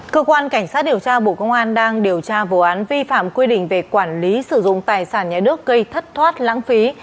cơ quan cảnh sát điều tra bộ công an đang điều tra vụ án vi phạm quy định về quản lý sử dụng tài sản nhà nước gây thất thoát lãng phí